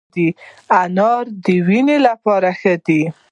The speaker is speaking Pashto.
انار د وینې لپاره ښه دی